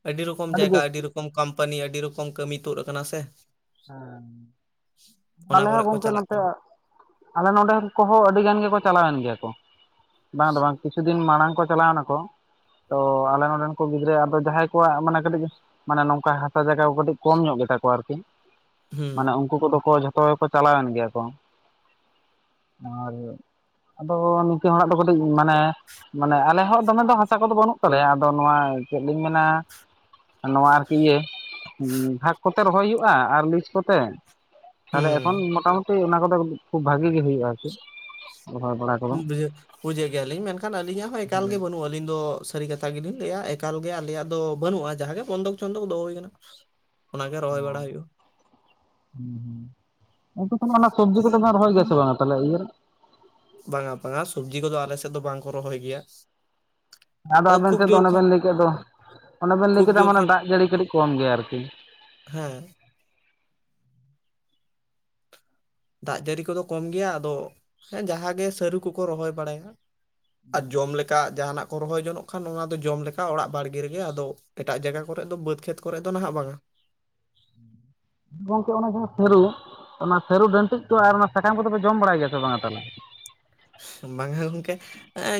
ᱟᱹᱰᱤ ᱨᱚᱠᱚᱢ ᱡᱟᱭᱜᱟ ᱟᱹᱰᱤ ᱨᱚ ᱠᱚᱢ ᱠᱳᱢᱯᱟᱱᱤ ᱟᱹᱰᱤ ᱨᱚᱠᱚᱢ ᱠᱟᱹᱢᱤ ᱛᱩᱫ ᱠᱟᱱᱟ ᱥᱮ ᱾
ᱦᱮᱸ, ᱟᱞᱮ
ᱠᱚᱨᱮ
ᱦᱚᱸ
ᱠᱚ
ᱜᱚᱝᱠᱮ
ᱪᱟᱞᱟᱜ
ᱱᱚᱛᱮ
ᱠᱟᱱᱟ
ᱟᱞᱮ ᱱᱚᱰᱮᱱ ᱠᱚᱦᱚᱸ ᱟᱹᱰᱤᱜᱟᱱ ᱜᱮᱠᱚ ᱪᱟᱞᱟᱣᱮᱱ ᱜᱮᱭᱟ ᱠᱚ, ᱵᱟᱝ ᱫᱚ ᱵᱟᱝ ᱠᱤᱪᱷᱩ ᱫᱤᱱ ᱢᱟᱲᱟᱝ ᱠᱚ ᱪᱟᱞᱟᱣ ᱱᱟᱠᱚ ᱾ ᱛᱚ ᱟᱞᱮ ᱱᱚᱸᱰᱮ ᱨᱮᱱ ᱠᱚ ᱜᱤᱫᱽᱨᱟᱹ ᱟᱫᱚ ᱡᱟᱦᱟᱸᱭ ᱠᱚᱣᱟᱜ ᱢᱟᱱᱮ ᱠᱟᱹᱴᱤᱡ ᱢᱟᱱᱮ ᱱᱚᱝᱠᱟ ᱦᱟᱛᱟ ᱡᱟᱭᱜᱟ ᱠᱚ ᱠᱟᱹᱴᱤᱡ ᱠᱚᱢ ᱧᱚᱜ ᱜᱮᱛᱟ ᱠᱚᱣᱟ ᱟᱨᱠᱤ,
ᱦᱩᱸ
ᱢᱟᱱᱮ ᱩᱝᱠᱩ ᱠᱚᱫᱚ ᱠᱚ ᱡᱷᱚᱛᱚ ᱜᱮᱠᱚ ᱪᱟᱞᱟᱣᱮᱱ ᱜᱮᱭᱟ ᱠᱚ ᱾ ᱟᱨ ᱟᱫᱚ ᱱᱤᱝᱠᱟᱹᱱ ᱦᱚᱲᱟᱜ ᱫᱚ ᱠᱟᱹᱴᱤᱡ ᱢᱟᱱᱮ ᱢᱟᱱᱮ ᱟᱞᱮ ᱦᱚᱸ ᱫᱚᱢᱮ ᱫᱚ ᱦᱟᱥᱟ ᱠᱚᱫᱚ ᱵᱟᱹᱱᱩᱜ ᱛᱟᱞᱮᱭᱟ, ᱟᱫᱚ ᱱᱚᱣᱟ ᱪᱮᱫ ᱞᱤᱧ ᱢᱮᱱᱟ ᱱᱚᱣᱟ ᱟᱨᱠᱤ ᱤᱭᱟᱹ ᱵᱷᱟᱜᱽ ᱠᱚᱛᱮ ᱨᱚᱦᱚᱭ ᱦᱩᱭᱩᱜᱼᱟ ᱟᱨ ᱞᱤᱡ ᱠᱚᱛᱮ᱾ ᱛᱟᱦᱞᱮ
ᱦᱩᱸ
ᱮᱠᱷᱚᱱ ᱢᱳᱴᱟᱢᱩᱴᱤ ᱚᱱᱟ ᱠᱚᱫᱚ ᱠᱟᱴᱤᱡ ᱠᱷᱩᱵ ᱵᱷᱟᱹᱜᱤ ᱜᱮ ᱦᱩᱭᱩᱜᱼᱟ ᱟᱨᱠᱤ᱾ ᱨᱚᱦᱚᱭ ᱵᱟᱲᱟ ᱠᱚᱫᱚ
ᱵᱩᱡᱷᱟᱹᱜ ᱵᱩᱡᱷ-ᱮᱫ ᱜᱮᱭᱟᱞᱤᱧ ᱢᱮᱱᱠᱷᱟᱱ ᱟᱹᱞᱤᱧᱟᱜ ᱦᱚᱸ ᱮᱠᱟᱞ ᱜᱮ ᱵᱟᱹᱱᱩᱜ ᱟᱹᱱ ᱟᱹᱞᱤᱧ ᱫᱚ ᱥᱟᱹᱨᱤ ᱠᱟᱛᱷᱟ ᱜᱮᱞᱤᱧ ᱞᱟᱹᱭᱟ᱾ ᱮᱠᱟᱞ ᱜᱮ ᱟᱞᱮᱭᱟᱜ ᱫᱚ ᱵᱟᱹᱱᱩᱜᱼᱟ ᱡᱟᱦᱟᱸᱜ ᱜᱮ ᱵᱚᱱᱫᱚᱠ ᱪᱚᱱᱫᱚᱠ ᱫᱚᱦᱚ ᱦᱩᱭ ᱠᱟᱱᱟ᱾ [inaudible] ᱚᱱᱟᱜᱮ ᱨᱚᱦᱚᱭ
ᱚ
ᱵᱟᱲᱟ ᱦᱩᱭᱩᱜᱼᱟ
ᱦᱩᱸ ᱦᱩᱸ᱾ ᱟᱫᱚ ᱛᱟᱦᱞᱮ ᱚᱱᱟ ᱥᱚᱵᱽᱡᱤ ᱠᱚᱫᱚ ᱵᱮᱱ ᱨᱚᱦᱚ ᱜᱮᱭᱟ ᱥᱮ ᱵᱟᱝ? ᱛᱟᱦᱚᱞᱮ ᱤᱭᱟᱹ ᱨᱮ?
ᱵᱟᱝᱟ ᱵᱟᱝᱟ ᱥᱚᱵᱽᱡᱤ ᱠᱚᱫᱚ ᱟᱞᱮ ᱥᱮᱫ ᱫᱚ ᱵᱟᱝᱠᱚ ᱨᱚᱦᱚᱭ ᱜᱮᱭᱟ᱾
ᱟᱫᱚ ᱟᱵᱮᱱ
ᱠᱷᱩᱵ
ᱴᱷᱮᱱ ᱫᱚ
ᱡᱳᱨ
ᱚᱱᱮ
ᱠᱷᱟᱱ
ᱵᱮᱱ ᱞᱟᱹᱭ ᱠᱮᱫ ᱫᱚ᱾ ᱚᱱᱮ ᱵᱮᱱ ᱞᱟᱹᱭ
ᱠᱷᱩᱵ
ᱠᱮᱫᱟ
ᱡᱳᱨ
ᱢᱟᱱᱮ
ᱠᱷᱟᱱ
ᱫᱟᱜ ᱡᱟᱹᱲᱤ ᱠᱟᱹᱴᱤᱡ ᱠᱚᱢ ᱜᱮᱭᱟ ᱟᱨᱠᱤ᱾
ᱦᱮᱸ᱾ ᱫᱟᱜ ᱡᱟᱹᱲᱤ ᱠᱚᱫᱚ ᱠᱚᱢ ᱜᱮᱭᱟ ᱟᱫᱚ ᱦᱮᱸ ᱡᱟᱦᱟᱸᱜ ᱜᱮ ᱥᱟᱹᱨᱩ ᱠᱚᱠᱚ ᱨᱚᱦᱚᱭ ᱵᱟᱲᱟᱭᱟ᱾ ᱟᱨ ᱡᱚᱢ ᱞᱮᱠᱟ᱾ ᱠᱟᱜ ᱡᱟᱦᱟᱱᱟᱜ ᱠᱚ ᱨᱚᱦᱚᱭ ᱡᱚᱱᱚᱜ ᱠᱷᱟᱱ ᱚᱱᱟ ᱫᱚ ᱡᱚᱢ ᱞᱮᱠᱟ, ᱚᱲᱟᱜ ᱵᱟᱲᱜᱮ ᱨᱮᱜᱮ ᱟᱫᱚ ᱮᱴᱟᱜ ᱡᱟᱭᱜᱟ ᱠᱚᱨᱮ ᱫᱚ ᱵᱟᱹᱫᱽ ᱠᱷᱮᱛ ᱠᱚᱨᱮᱫ ᱫᱚ ᱱᱟᱦᱟᱜ ᱵᱟᱝᱟ᱾
[inaudible] ᱜᱚᱝᱠᱮ ᱚᱱᱮ ᱡᱟᱦᱟᱸ ᱥᱟᱹᱨᱩ᱾ ᱚᱱᱟ ᱥᱟᱹᱨᱩ ᱰᱟᱹᱱᱴᱤᱡᱽ ᱠᱚ ᱟᱨ ᱚᱱᱟ ᱥᱟᱠᱟᱢ ᱠᱚᱫᱚᱯᱮ ᱡᱚᱢ ᱵᱟᱲᱟᱭ ᱜᱮᱭᱟ ᱥᱮ ᱵᱟᱝᱟ ᱛᱟᱦᱚᱞᱮ?
ᱵᱟᱝᱟ ᱜᱚᱝᱠᱮ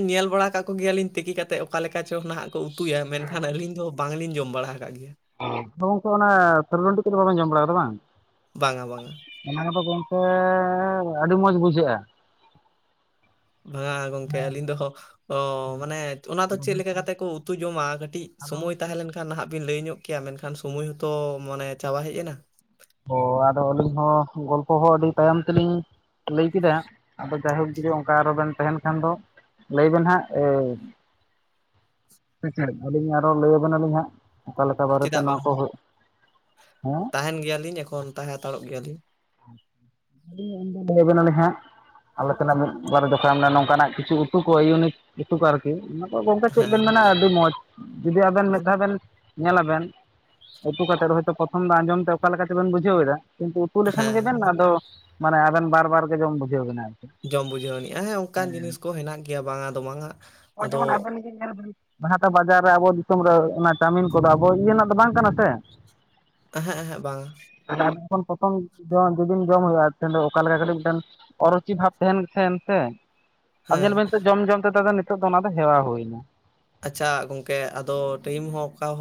ᱧᱮᱞ ᱵᱟᱲᱟ ᱠᱟᱜ ᱠᱚᱜᱮᱭᱟᱞᱤᱧ ᱛᱤᱠᱤ ᱠᱟᱛᱮᱫ ᱚᱠᱟᱞᱮᱠᱟ ᱪᱚ ᱱᱟᱱᱟᱜ ᱠᱚ ᱩᱛᱩᱭᱟ ᱢᱮᱱᱠᱷᱟᱱ ᱟᱹᱞᱤᱧ ᱫᱚ ᱵᱟᱝᱞᱤᱧ ᱡᱚᱢ ᱵᱟᱲᱟ ᱟᱠᱟᱫ ᱜᱮᱭᱟ᱾
ᱛᱷᱚ ᱜᱚᱝᱠᱮ ᱚᱱᱟ ᱥᱟᱹᱨᱩ ᱰᱟᱱᱴᱤᱡ ᱠᱚᱫᱚ ᱵᱟᱵᱮᱱ ᱡᱚᱢ ᱵᱟᱲᱟ ᱟᱠᱟᱫᱟ ᱵᱟᱝᱻ
ᱵᱟᱝᱟ ᱵᱟᱝᱟ᱾
ᱚᱱᱟ ᱠᱚᱫᱚ ᱜᱚᱝᱠᱮ ᱟᱹᱰᱤ ᱢᱚᱸᱡᱽ ᱵᱩᱡᱷᱟᱹᱜᱼᱟ᱾
ᱵᱟᱝᱟ ᱜᱚᱝᱠᱮ ᱟᱹᱞᱤᱧ ᱫᱚ ᱚ ᱢᱟᱱᱮ ᱚᱱᱟ ᱫᱚ ᱪᱮᱫ ᱞᱮᱠᱟ ᱠᱟᱛᱮᱜ ᱠᱚ ᱩᱛᱩ ᱡᱚᱢᱟ ᱠᱟᱹᱴᱤᱡ ᱥᱚᱢᱚᱭ ᱛᱟᱦᱮᱸ ᱞᱮᱱ ᱠᱷᱟᱱ ᱱᱟᱦᱟᱜ ᱵᱤᱱ ᱞᱟᱹᱭ ᱧᱚᱜ ᱠᱮᱭᱟ ᱢᱮᱱᱠᱷᱟᱱ ᱥᱚᱢᱚᱭ ᱦᱚᱸᱛᱚ ᱢᱟᱱᱮ ᱪᱟᱵᱟ ᱦᱮᱡ ᱮᱱᱟ᱾
ᱚ ᱟᱫᱚ ᱟᱹᱞᱤᱧ ᱦᱚᱸ ᱜᱚᱞᱯᱚ ᱦᱚᱸ ᱟᱹᱰᱤ ᱛᱟᱭᱚᱢ ᱛᱮᱞᱤᱧ ᱞᱟᱹᱭ ᱠᱮᱫᱟ᱾ ᱟᱫᱚ ᱡᱟᱭᱦᱳᱠ ᱡᱩᱫᱤ ᱚᱱᱠᱟ ᱟᱨᱚ ᱵᱮᱱ ᱛᱟᱦᱮᱱ ᱠᱷᱟᱱ ᱫᱚ ᱞᱟᱹᱭ ᱵᱮᱱ ᱦᱟᱸᱜ ᱮ᱾ ᱥᱮ ᱪᱮᱫ ᱟᱹᱞᱤᱧ ᱟᱨᱚ ᱞᱟᱹᱭ ᱟᱵᱮᱱᱟᱞᱤᱧ ᱦᱟᱸᱜ ᱚᱠᱟᱞᱮ ᱞᱮᱠᱟ ᱵᱟᱨᱮᱛᱮ
ᱪᱮᱫᱟᱜ ᱵᱟᱝ
ᱱᱚᱣᱟ ᱠᱚ ᱦᱩᱭᱩᱜ ᱦᱮᱸ?
ᱛᱟᱦᱮᱱ ᱜᱮᱭᱟᱞᱤᱧ ᱮᱠᱷᱚᱱ ᱛᱟᱦᱮᱸ ᱦᱟᱛᱟᱲᱚᱜ ᱜᱮᱭᱟᱞᱤᱧ᱾
ᱟᱞᱤᱧ ᱩᱱ ᱫᱚ ᱞᱟᱹᱭ ᱟᱵᱮᱱᱟᱞᱤᱧ ᱦᱟᱸᱜ᱾ ᱟᱞᱮ ᱛᱮᱱᱟᱜ ᱢᱤᱫ ᱵᱟᱨ ᱡᱚᱠᱷᱚᱱᱟ ᱫᱚᱠᱟᱱ ᱢᱮᱱᱟᱜ ᱱᱚᱝᱠᱟᱱᱟᱜ ᱠᱤᱪᱷᱩ ᱩᱛᱩ ᱠᱚ ᱤᱭᱩᱱᱤᱠ ᱩᱛᱩ ᱠᱚ ᱠᱟᱨ ᱠᱤ ᱚᱱᱟ ᱫᱚ ᱜᱚᱝᱠᱮ ᱪᱮᱫ ᱵᱮᱱ
ᱦᱮᱸ
ᱢᱮᱱᱟ ᱟᱹᱰᱤ ᱢᱚᱡᱽ ᱡᱩᱫᱤ ᱟᱵᱮᱱ ᱢᱤᱫ ᱫᱷᱟᱣ ᱵᱮᱱ ᱧᱮᱞᱟᱵᱮᱱ᱾ ᱩᱛᱩ ᱠᱟᱛᱮᱫ ᱦᱚᱭᱛᱚ ᱯᱨᱚᱛᱷᱚᱢ ᱫᱚ ᱟᱸᱡᱚᱢ ᱛᱮ ᱚᱠᱟ ᱛᱮᱵᱮᱱ ᱵᱩᱡᱷᱟᱹᱣ ᱮᱫᱟ᱾ ᱠᱤᱱᱛᱩ ᱩᱛᱩ ᱞᱮᱠᱷᱟᱱ
ᱦᱮᱸ
ᱜᱮᱵᱮᱱ ᱟᱫᱚ ᱢᱟᱱᱮ ᱟᱵᱮᱱ ᱵᱟᱨ ᱵᱟᱨ ᱜᱮ ᱡᱚᱢ ᱵᱩᱡᱷᱟᱹᱣ ᱵᱮᱱᱟ ᱟᱨᱠᱤ᱾
ᱡᱚᱢ ᱵᱩᱡᱷᱟᱹᱣ ᱟᱱᱤᱡ-ᱟ ᱦᱮᱸ ᱚᱱᱠᱟᱱ ᱡᱤᱱᱤᱥ ᱠᱚ ᱦᱮᱱᱟᱜ ᱜᱮᱭᱟ ᱵᱟᱝ ᱫᱚ ᱵᱟᱝᱟ ᱟᱫᱚ
[unintelligible] ᱟᱱᱟ ᱦᱟᱴ ᱵᱟᱡᱟᱨ ᱨᱮ ᱟᱵᱚ ᱫᱤᱥᱚᱢ ᱨᱮ ᱚᱱᱟ ᱪᱟᱣᱢᱤᱱ ᱠᱚᱫᱚ ᱟᱵᱚ ᱤᱭᱟᱹ ᱨᱮᱱᱟᱜ ᱫᱚ ᱵᱟᱝ ᱠᱟᱱᱟ ᱥᱮ᱾
ᱮᱦᱮᱸᱜ ᱮᱦᱮᱸᱜ ᱵᱟᱝᱟ᱾
ᱟᱨ ᱡᱚᱠᱷᱚᱱ ᱯᱨᱚᱛᱚᱢ ᱡᱩᱫᱤᱢ ᱡᱚᱢ ᱦᱩᱭᱩᱜᱼᱟ ᱦᱟᱦᱮᱱ ᱫᱚ ᱚᱠᱟᱞᱮᱠᱟ ᱠᱟᱹᱴᱤᱡ ᱢᱤᱫᱴᱮᱱ ᱚᱨᱚᱪᱤ ᱵᱷᱟᱵᱽ ᱛᱟᱦᱮᱱ ᱛᱟᱦᱮᱸ ᱥᱮ᱾ ᱟᱨ
ᱦᱮᱸ
ᱧᱮᱞ ᱵᱮᱱ ᱥᱮ ᱡᱚᱢ ᱡᱚᱢᱛᱮ ᱛᱟ ᱫᱚ ᱱᱤᱛᱚᱜ ᱫᱚ ᱚᱱᱟ ᱫᱚ ᱦᱮᱣᱟ ᱦᱩᱭᱱᱟ᱾
ᱟᱪᱪᱷᱟ ᱜᱚᱝᱠᱮ ᱟᱫᱚ ᱴᱟᱭᱤᱢ ᱦᱚᱸ ᱚᱠᱟ ᱦᱚ